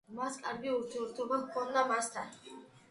მას კარგი ურთიერთობა ჰქონდა მამასთან.